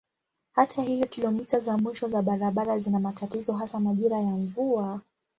Hata hivyo kilomita za mwisho za barabara zina matatizo hasa majira ya mvua.